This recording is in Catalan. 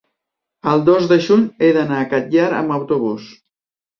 el dos de juny he d'anar al Catllar amb autobús.